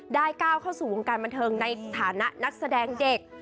ก้าวเข้าสู่วงการบันเทิงในฐานะนักแสดงเด็ก